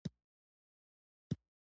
مذهبي تفکیک یا جلاکونه هم رامنځته کوي.